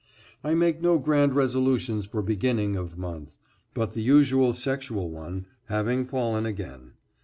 I make no grand resolutions for beginning [of month], but the usual sexual one, having fallen again.